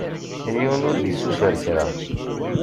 Yiwen ur d-isuter kra.